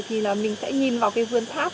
thì là mình sẽ nhìn vào cái vườn tháp